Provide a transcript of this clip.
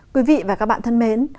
quý vị và các bạn thân mến